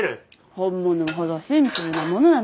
本物ほどシンプルなものなの。